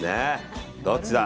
どっちだ。